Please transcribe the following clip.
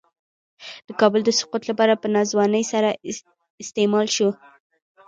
د کابل د سقوط لپاره په ناځوانۍ سره استعمال شو.